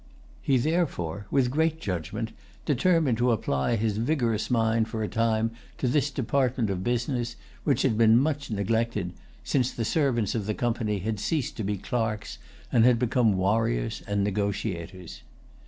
He therefore, with great judgment, determined to apply his vigorous mind for a time to this department of business, which had been much neglected, since the servants of the Company had ceased to be clerks, and had become warriors and negotiators.